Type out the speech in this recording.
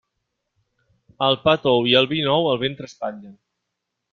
El pa tou i el vi nou el ventre espatllen.